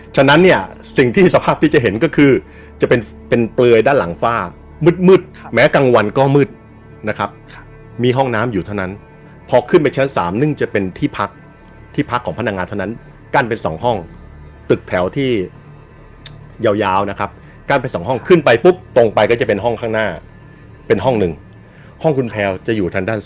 ฉะนั้นเนี่ยสิ่งที่สภาพที่จะเห็นก็คือจะเป็นเป็นเปลือยด้านหลังฝ้ามืดแม้กลางวันก็มืดนะครับมีห้องน้ำอยู่เท่านั้นพอขึ้นไปชั้น๓ซึ่งจะเป็นที่พักที่พักของพนักงานเท่านั้นกั้นเป็นสองห้องตึกแถวที่ยาวนะครับกั้นเป็นสองห้องขึ้นไปปุ๊บตรงไปก็จะเป็นห้องข้างหน้าเป็นห้องหนึ่งห้องคุณแพลวจะอยู่ทางด้านส